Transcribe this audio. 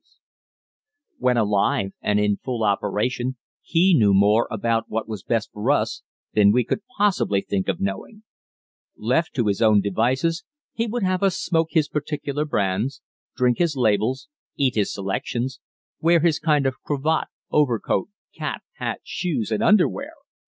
[Illustration: Douglas Fairbanks in "The Good Bad Man"] When alive and in full operation he knew more about what was best for us than we could possibly think of knowing. Left to his own devices he would have us smoke his particular brands, drink his labels, eat his selections, wear his kind of a cravat, overcoat, cap, hat, shoes, and underwear.